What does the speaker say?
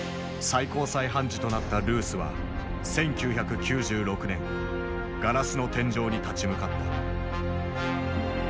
最高裁判事となったルースは１９９６年ガラスの天井に立ち向かった。